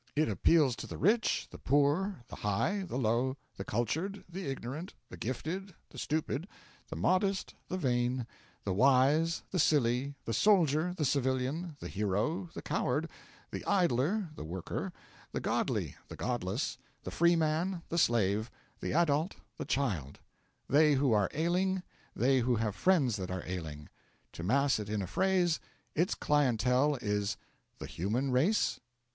It appeals to the rich, the poor, the high, the low, the cultured, the ignorant, the gifted, the stupid, the modest, the vain, the wise, the silly, the soldier, the civilian, the hero, the coward, the idler, the worker, the godly, the godless, the freeman, the slave, the adult, the child; they who are ailing, they who have friends that are ailing. To mass it in a phrase, its clientele is the Human Race?